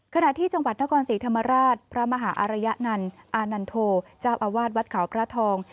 ขณะที่จังหวัดนครศรีธรรมราชพระมหาอารยนันต์อานันโทเจ้าอาวาสวัดเขาพระทอง